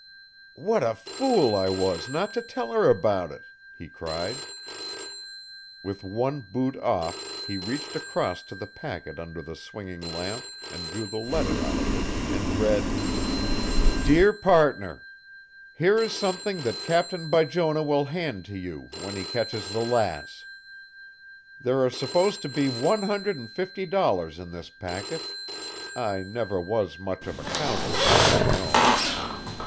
"What a fool I was not to tell her all about it!" he cried. With one boot off he reached across to the packet under the swinging lamp and drew the letter out of it and read: "DEAR PARTNER: "Here is something that Captain Bijonah will hand to you when he catches the Lass. There are supposed to be one hundred and fifty dollars in this packet (I never was much of a counter, as you know).